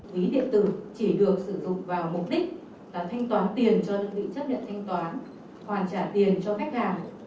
ví điện tử chỉ được sử dụng vào mục đích là thanh toán tiền cho đơn vị chấp nhận thanh toán hoàn trả tiền cho khách hàng